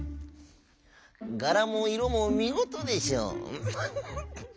「がらもいろもみごとでしょう」。